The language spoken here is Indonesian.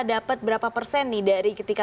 dapat berapa persen nih dari ketika